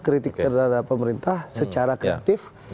kritik terhadap pemerintah secara kreatif